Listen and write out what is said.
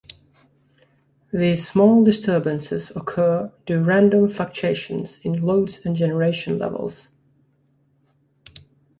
These small disturbances occur due random fluctuations in loads and generation levels.